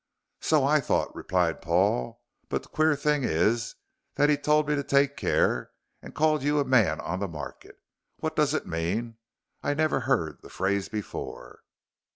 "So I thought," replied Paul, "but the queer thing is that he told me to take care, and called you a man on the market. What does it mean? I never heard the phrase before."